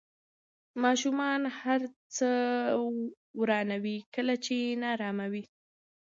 ماشومان هر څه ورانوي کله چې نارامه وي.